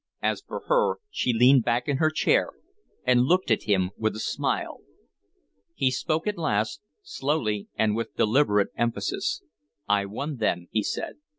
As for her, she leaned back in her chair and looked at him with a smile. He spoke at last, slowly and with deliberate emphasis. "I won then," he said.